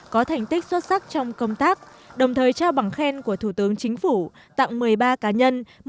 có thành tích xuất sắc trong công tác đồng thời trao bằng khen của thủ tướng chính phủ tặng một mươi ba cá nhân